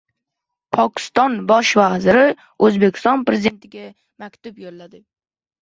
Pokiston Bosh vaziri O‘zbekiston Prezidentiga maktub yo‘lladi